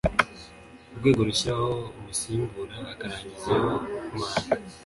Urwego rushyiraho umusimbura akarangiza iyo manda